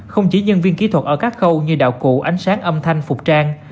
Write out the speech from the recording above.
không chỉ nhân viên kỹ thuật ở các khâu như đạo cụ ánh sáng âm thanh phục trang